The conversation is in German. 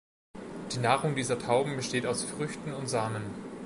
Die Nahrung dieser Tauben besteht aus Früchten und Samen.